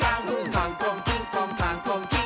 「カンコンキンコンカンコンキン！」